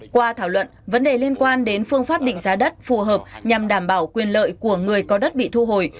qua thảo luận vấn đề liên quan đến phương pháp định giá đất phù hợp nhằm đảm bảo quyền lợi của người có đất bị thu hồi